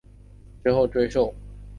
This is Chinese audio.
之后授任辽府纪善。